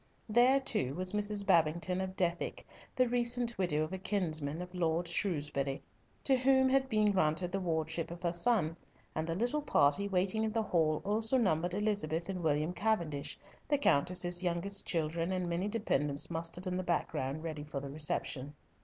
There, too, was Mrs. Babington of Dethick, the recent widow of a kinsman of Lord Shrewsbury, to whom had been granted the wardship of her son, and the little party waiting in the hall also numbered Elizabeth and William Cavendish, the Countess's youngest children, and many dependants mustered in the background, ready for the reception.